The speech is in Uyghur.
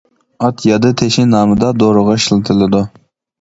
«ئات يادا تېشى» نامىدا دورىغا ئىشلىتىلىدۇ.